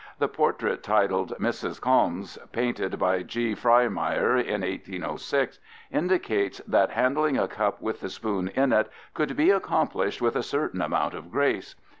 The portrait titled Mrs. Calmes (fig. 15), painted by G. Frymeier in 1806, indicates that handling a cup with the spoon in it could be accomplished with a certain amount of grace.